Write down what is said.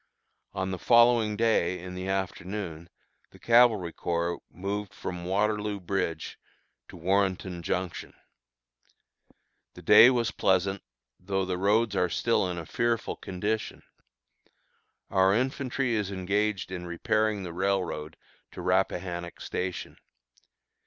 On the following day in the afternoon the Cavalry Corps moved from Waterloo Bridge to Warrenton Junction. The day was pleasant, though the roads are still in a fearful condition. Our infantry is engaged in repairing the railroad to Rappahannock Station.